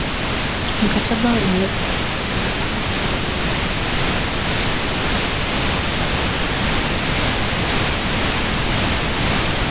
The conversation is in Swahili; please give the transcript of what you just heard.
mkataba ulionekana kukubaliwa na mataifa mbalimbali